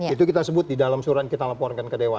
itu kita sebut di dalam surat kita laporkan ke dewan